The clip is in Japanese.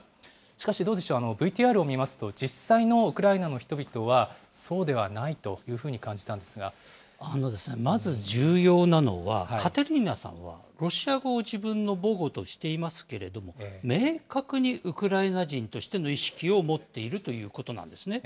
しかしどうでしょう、ＶＴＲを見ますと、実際のウクライナの人々はそうではないというふうに感じまず重要なのは、カテリーナさんはロシア語を自分の母語としていますけれども、明確にウクライナ人としての意識を持っているということなんですね。